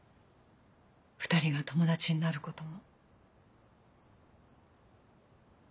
２人が友達になることも。